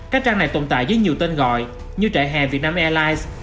các trang này tồn tại dưới nhiều tên gọi như trại hè việt nam airlines